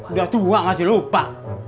udah tua masih lupa